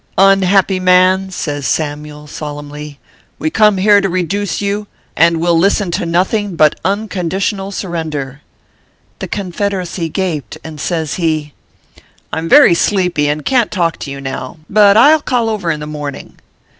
" Unhappy man," says Samyule, solemnly, " we come here to reduce you, and will listen to nothing but unconditional surrender." The Confederacy gaped, and says ho :" I m very sleepy, and can t talk to you now ; but I ll call over in the morning."